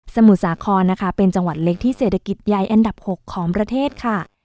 มุทรสาครนะคะเป็นจังหวัดเล็กที่เศรษฐกิจใหญ่อันดับ๖ของประเทศค่ะ